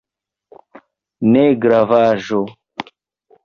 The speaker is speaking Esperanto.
Ne gravaĵo!